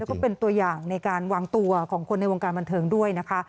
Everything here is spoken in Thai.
แล้วก็เป็นตัวอย่างในการวางตัวของคนในวงการบันเทิงด้วยนะคะ